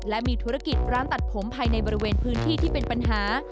และมีธุรกิจร้านตัดผมภายในบริเวณพื้นที่ที่เป็นปัญหา